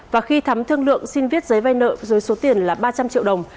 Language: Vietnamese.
và khi thắm thương lượng xin viết giấy vay nợ dưới số tiền là ba trăm linh triệu đồng